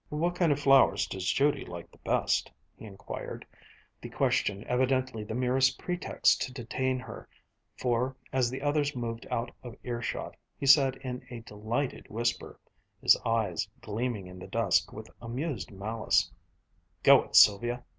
"What kind of flowers does Judy like the best?" he inquired, the question evidently the merest pretext to detain her, for as the others moved out of earshot he said in a delighted whisper, his eyes gleaming in the dusk with amused malice: "Go it, Sylvia!